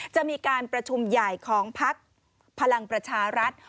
จะมีการประชุมใหญ่ของพักพลังประชารัฐ